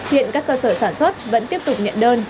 hiện các cơ sở sản xuất vẫn tiếp tục nhận đơn